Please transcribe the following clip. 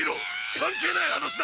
関係ない話だ！